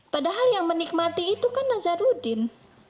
padahal yang menikmati itu kan nazarudin